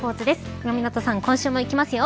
今湊さん、今週もいきますよ。